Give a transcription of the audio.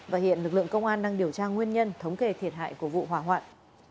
và hiện lực lượng công an đang điều tra nguyên nhân thống kê thiệt hại của vụ hỏa hoạn